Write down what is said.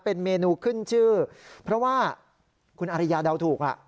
เป็นเมนูขึ้นชื่อเพราะว่าคุณอริยาเดาถูกอ่ะ